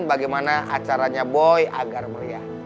bagaimana acaranya boy agar meriah